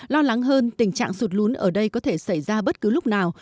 lo lắng hơn tình trạng sụt lún ở đây có thể xảy ra bất cứ lúc nào